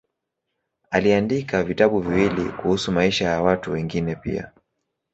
Aliandika vitabu viwili kuhusu maisha ya watu wengine pia.